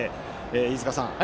飯塚さん